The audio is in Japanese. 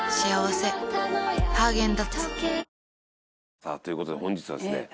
さあという事で本日はですね